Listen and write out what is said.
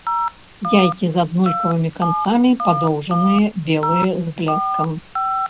Яйкі з аднолькавымі канцамі, падоўжаныя, белыя з бляскам.